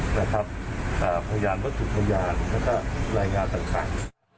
พยานวัตถุพยานแล้วก็รายงานต่าง